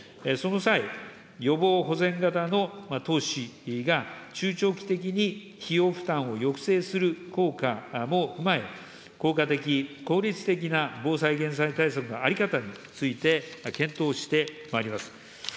その際、予防保全型の投資が、中長期的に費用負担を抑制する効果も踏まえ、効果的、効率的な防災・減災対策の在り方について、検討してまいります。